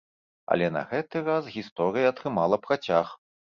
Але на гэты раз гісторыя атрымала працяг.